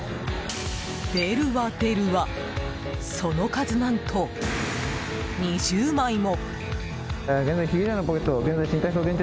出るわ出るわその数、何と２０枚も。